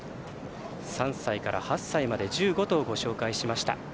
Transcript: ３歳から８歳まで１５頭ご紹介しました。